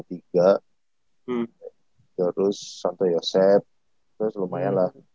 terus santo yosep terus lumayan lah